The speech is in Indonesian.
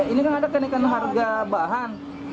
ini kan ada kenaikan harga bahan